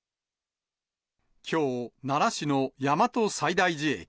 きょう、奈良市の大和西大寺駅。